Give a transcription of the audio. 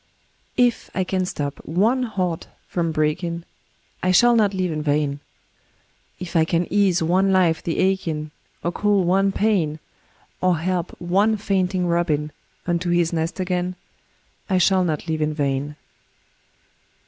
If I can stop one heart from breaking, I shall not live in vain; If I can ease one life the aching, Or cool one pain, Or help one fainting robin Unto his nest again, I shall not live in vain.